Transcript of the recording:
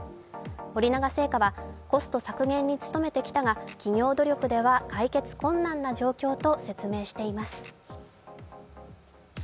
森永製菓は、コスト削減に努めてきたが企業努力では解決困難な状況と説明しています。